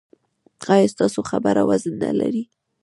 ایا ستاسو خبره وزن نلري؟